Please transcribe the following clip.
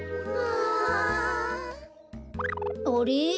あれ？